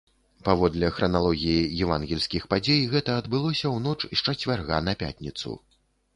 Паводле храналогіі евангельскіх падзей гэта адбылося ў ноч з чацвярга на пятніцу.